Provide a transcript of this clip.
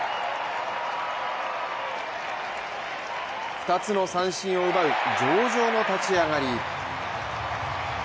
２つの三振を奪い上々の立ち上がり。